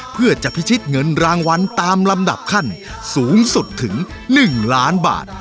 เพื่อจะพิชิตเงินรางวัลตามลำดับขั้นสูงสุดถึง๑ล้านบาท